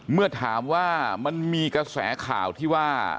เมื่อถามว่ามันมีกระแสข่าวที่ว่า